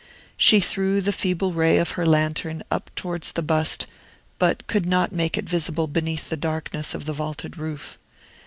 She threw the feeble ray of her lantern up towards the bust, but could not make it visible beneath the darkness of the vaulted roof.